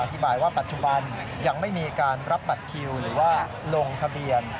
อธิบายว่าปัจจุบันยังไม่มีการรับบัตรคิวหรือว่าลงทะเบียน